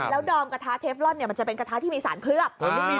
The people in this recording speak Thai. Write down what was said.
แล้วดอมกระทะเทฟลอนมันจะเป็นกระทะที่มีสารเคลือบ